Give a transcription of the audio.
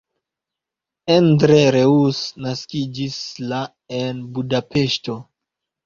Endre Reuss naskiĝis la en Budapeŝto.